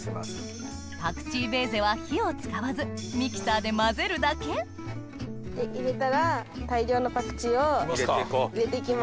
パクチーベーゼは火を使わずミキサーで混ぜるだけ入れたら大量のパクチーを入れていきます。